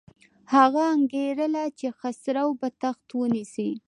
هغه انګېرله چې خسرو به تخت ونیسي.